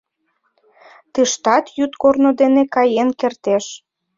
Тыштат йӱд корно дене каен кертеш.